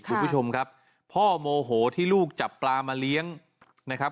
คุณผู้ชมครับพ่อโมโหที่ลูกจับปลามาเลี้ยงนะครับ